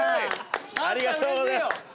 ありがとうございます。